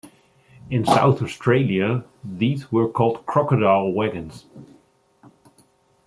In South Australia, these were called crocodile wagons.